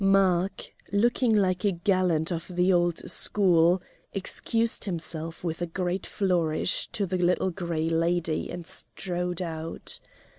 Mark, looking like a gallant of the old school, excused himself with a great flourish to the Little Gray Lady and strode out.